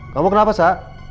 kamu kenapa sa